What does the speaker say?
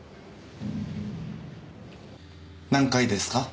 何階ですか？